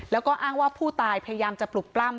แล้วก็อ้างว่าผู้ตายพยายามจะปลุกปล้ำ